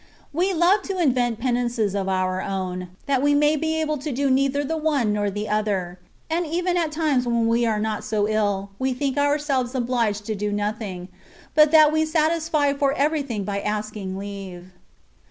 "*^ We love to invent penances of our own, that we may be able to do neither the one nor the other ; and even at times when we are not so ill, we think ourselves obliged to do nothing, but that we satisfy for everything by asking leave.